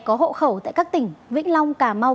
có hộ khẩu tại các tỉnh vĩnh long cà mau